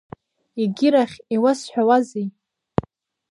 Егьирахь, иуасҳәауазеи?